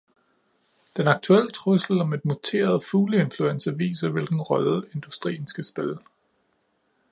Den aktuelle trussel om en muteret fugleinfluenza viser, hvilken rolle industrien skal spille.